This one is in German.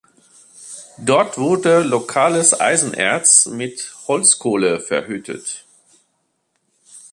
Dort wurde lokales Eisenerz mit Holzkohle verhüttet.